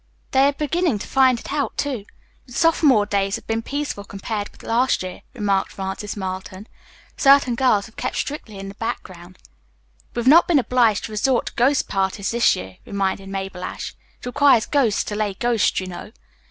"They are beginning to find it out, too." "Your sophomore days have been peaceful, compared with last year," remarked Frances Marlton. "Certain girls have kept strictly in the background." "We have not been obliged to resort to ghost parties this year," reminded Mabel Ashe. "It requires ghosts to lay ghosts, you know."